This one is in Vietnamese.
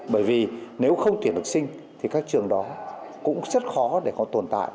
bởi vì nếu không thuyền được sinh thì các trường đó cũng rất khó để tồn tại